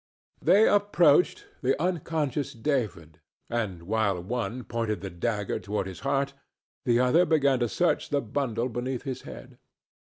They approached the unconscious David, and, while one pointed the dagger toward his heart, the other began to search the bundle beneath his head.